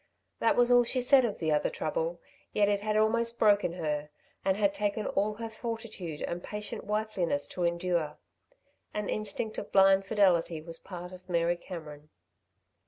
That was all she said of the other trouble, yet it had almost broken her, and had taken all her fortitude and patient wifeliness to endure. An instinct of blind fidelity was part of Mary Cameron.